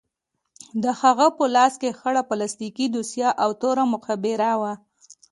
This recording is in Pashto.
د هغه په لاس کښې خړه پلاستيکي دوسيه او توره مخابره وه.